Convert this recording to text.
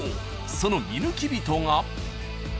その見抜き人が］